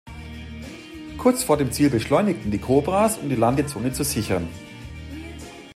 Kurz vor dem Ziel beschleunigten die Cobras, um die Landezone zu sichern.